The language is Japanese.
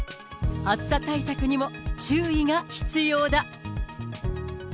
暑さ対策にも注意が必要だ。